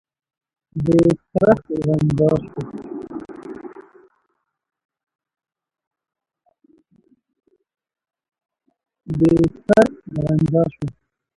د څرخ غنجا شوه.